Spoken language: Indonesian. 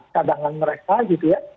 kadangan mereka gitu ya